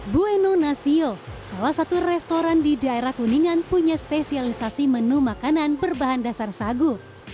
bueno nasio salah satu restoran di daerah kuningan punya spesialisasi menu makanan berbahan dasar sagu